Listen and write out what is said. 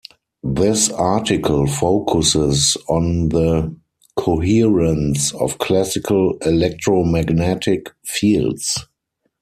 This article focuses on the coherence of classical electromagnetic fields.